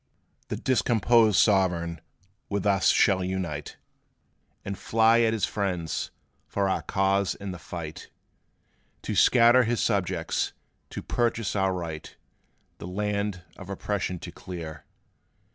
"The discomposed Sovereign with us shall unite, And fly at his friends for our cause in the fight, To scatter his subjects to purchase our right The land of oppression to clear.